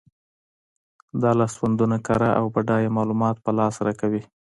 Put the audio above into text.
دا لاسوندونه کره او بډایه معلومات په لاس راکوي.